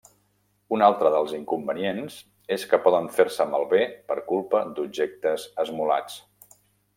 Un altre dels inconvenients és que poden fer-se malbé per culpa d'objectes esmolats.